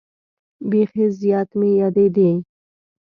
بیخي زیات مې یادېدې.